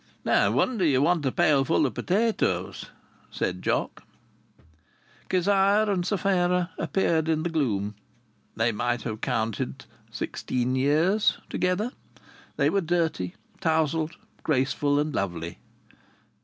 "No wonder you want a pailful of potatoes!" said Jock. Kezia and Sapphira appeared in the gloom. They might have counted sixteen years together. They were dirty, tousled, graceful and lovely.